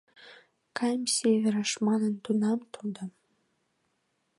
— Каем Северыш, — манын тунам тудо.